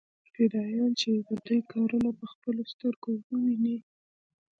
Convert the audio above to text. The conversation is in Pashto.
فدايان چې د دوى کارونه په خپلو سترګو وويني.